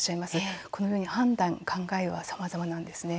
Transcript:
このように判断、考えはさまざまなんです。